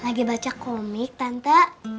lagi baca komik tante